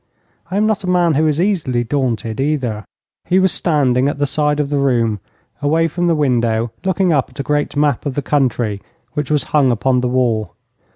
I am not a man who is easily daunted, either. He was standing at the side of the room, away from the window, looking up at a great map of the country which was hung upon the wall.